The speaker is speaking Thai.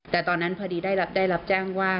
แต่ตอนนั้นพอดีได้รับแจ้งว่า